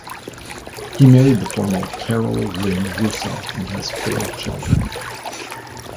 He married the former Caryl Lynn Russo and has four children.